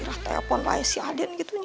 irah telfon lah ya si aden gitunya